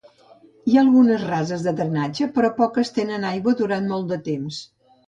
Hi ha algunes rases de drenatge, però poques tenen aigua durant molt de temps.